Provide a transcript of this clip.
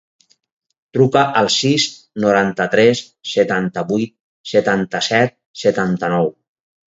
Truca al sis, noranta-tres, setanta-vuit, setanta-set, setanta-nou.